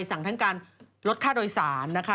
สั่งทั้งการลดค่าโดยสารนะคะ